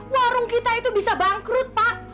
warung kita itu bisa bangkrut pak